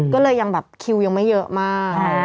ก็เลยยังแบบคิวยังไม่เยอะมาก